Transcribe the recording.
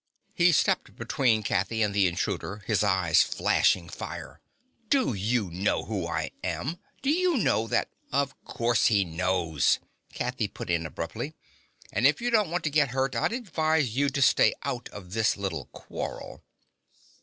He stepped between Kathy and the intruder, his eyes flashing fire. "Do you know who I am? Do you know that " "Of course he knows," Kathy put in abruptly. "And if you don't want to get hurt, I'd advise you to stay out of this little quarrel."